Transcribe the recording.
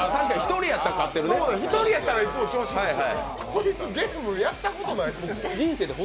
１人だったらいつも調子いいんですよ。